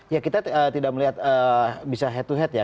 ya kita tidak melihat bisa head to head ya